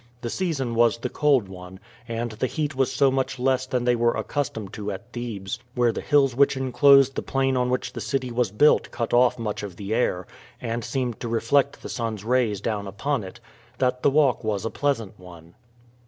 The season was the cold one, and the heat was so much less than they were accustomed to at Thebes where the hills which inclosed the plain on which the city was built cut off much of the air, and seemed to reflect the sun's rays down upon it that the walk was a pleasant one.